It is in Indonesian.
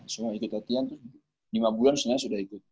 semua ikut latihan tuh lima bulan sebenernya sudah ikut